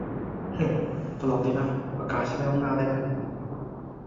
ตลกดีเนอะ ประกาศใช้ล่วงหน้าได้ด้วย